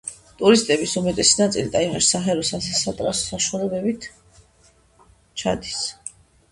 ტურისტების უმეტესი ნაწილი ტაივანში საჰაერო სატრანსპორტო საშუალებებით ჩადის.